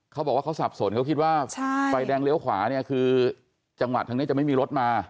เขาบอกว่าเขาสับสนเขาคิดว่าไฟแดงเลี้ยวขวาเนี่ยคือจังหวะทางนี้จะไม่มีรถมา